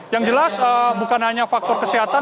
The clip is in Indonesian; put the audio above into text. yang jelas bukan hanya faktor kesehatan